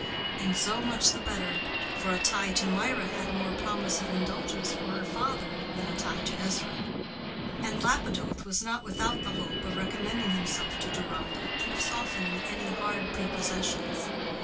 And so much the better; for a tie to Mirah had more promise of indulgence for her father than a tie to Ezra: and Lapidoth was not without the hope of recommending himself to Deronda, and of softening any hard prepossessions.